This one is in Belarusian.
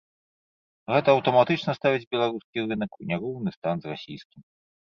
Гэта аўтаматычна ставіць беларускі рынак у няроўны стан з расійскім.